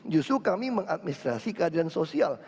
justru kami mengadministrasi keadilan sosial